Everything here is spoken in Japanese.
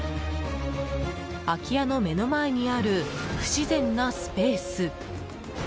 空き家の目の前にある不自然なスペース。